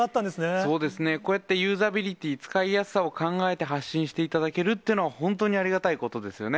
そうですね、こうやってユーザビリティー、使いやすさを考えて発信していただけるというのは、本当にありがたいことですよね。